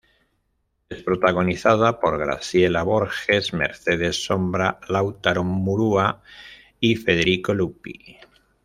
Es protagonizada por Graciela Borges, Mercedes Sombra, Lautaro Murúa y Federico Luppi.